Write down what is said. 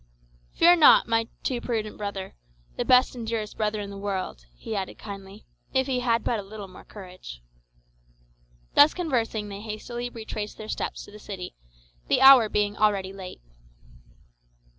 "Fear not, my too prudent brother. The best and dearest brother in the world," he added kindly, "if he had but a little more courage." Thus conversing they hastily retraced their steps to the city, the hour being already late.